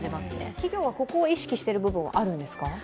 企業はここを意識している部分はあるんですか？